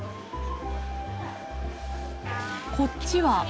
こっちは瓜。